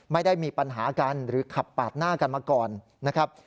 ไม่ได้มีปัญหากันหรือขับปาดหน้ากันมาก่อนนะครับ